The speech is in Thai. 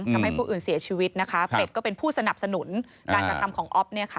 ทำให้ผู้อื่นเสียชีวิตนะคะเป็ดก็เป็นผู้สนับสนุนการกระทำของอ๊อฟเนี่ยค่ะ